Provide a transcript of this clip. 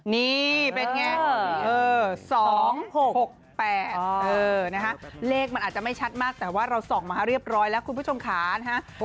นี่เป็นไง๒๖๖๘นะคะเลขมันอาจจะไม่ชัดมากแต่ว่าเราส่องมาเรียบร้อยแล้วคุณผู้ชมขานะฮะ